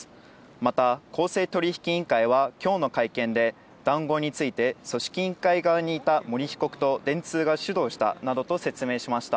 また、公正取引委員会はきょうの会見で、談合について、組織委員会側にいた森被告と電通が主導したなどと説明しました。